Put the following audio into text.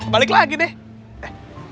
balik lagi deh